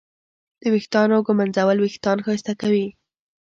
د ویښتانو ږمنځول وېښتان ښایسته کوي.